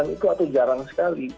karena merasakan itu atau jarang sekali